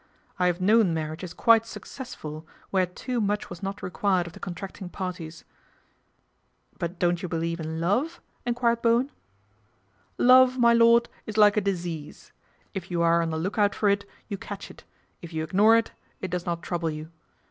I have known marriages quite success ful where too much was not required of the con tracting parties." "But don't you believe in love?" enquired Bowen. GALVIN HOUSE AFTER THE RAID 285 " Love, my lord, is like a disease. If you are on the look out for it you catch it, if you ignore it, it does not trouble you.